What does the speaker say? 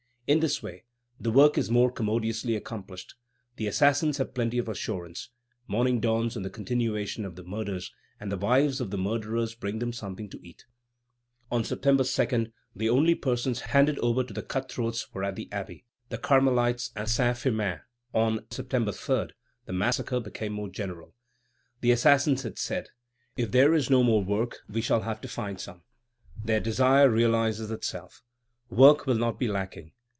In this way the work is more commodiously accomplished. The assassins have plenty of assurance. Morning dawns on the continuation of the murders, and the wives of the murderers bring them something to eat. On September 2, the only persons handed over to the cut throats, were at the Abbey, the Carmelites, and Saint Firmin. On September 3, the massacre became more general. The assassins had said: "If there is no more work, we shall have to find some." Their desire realizes itself. Work will not be lacking.